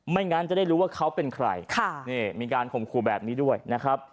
งั้นจะได้รู้ว่าเขาเป็นใครค่ะนี่มีการข่มขู่แบบนี้ด้วยนะครับ